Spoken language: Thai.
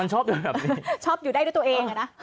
ชอบอยู่ได้ด้วยตัวเอง